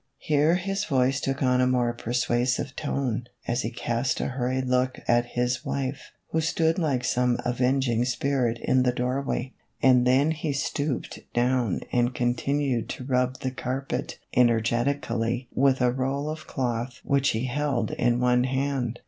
Here his voice took on a more persuasive tone, as he cast a hurried look at his wife, who stood like some avenging spirit in the doorway, and then he stooped down and continued to rub the carpet energetically with a roll of cloth which he held in one hand.